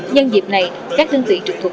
nhân dịp này các đơn vị trực thuật